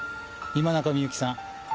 今中みゆきさん。